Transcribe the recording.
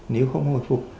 nếu không hồi phục